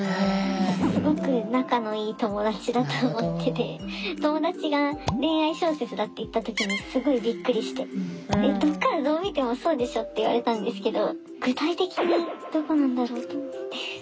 すごく仲のいい友達だと思ってて友達が恋愛小説だって言った時にすごいびっくりして「どこからどう見てもそうでしょ！」って言われたんですけど。